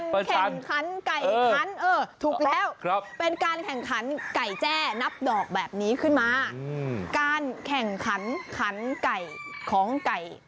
แข่งขันไก่คันเออถูกแล้วเป็นการแข่งขันไก่แจนับดอกแบบนี้ขึ้นมาการแข่งขันขันไก่ของไก่